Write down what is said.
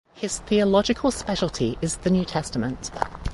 His theological specialty is the New Testament.